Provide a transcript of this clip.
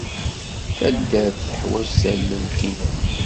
Taddart teḥwaj tallalt-nnem.